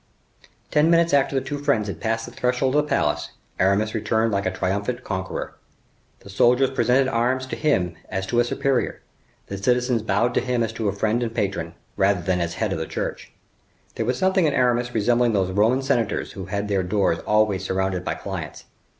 Ten minutes after the two friends had passed the threshold of the palace, Aramis returned like a triumphant conqueror; the soldiers presented arms to him as to a superior; the citizens bowed to him as to a friend and a patron, rather than as a head of the Church. There was something in Aramis resembling those Roman senators who had their doors always surrounded by clients.